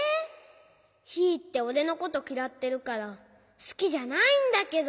ヒーっておれのこときらってるからすきじゃないんだけど。